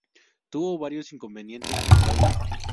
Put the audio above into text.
Tuvo varios inconvenientes con el audio.